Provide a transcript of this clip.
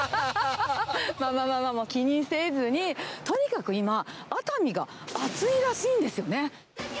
まあまあまあ、気にせずに、とにかく今、熱海が熱いらしいんですよね。